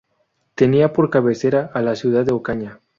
Tenía por cabecera a la ciudad de Ocaña.